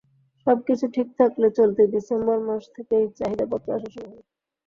সবকিছু ঠিক থাকলে চলতি ডিসেম্বর মাস থেকেই চাহিদাপত্র আসা শুরু হবে।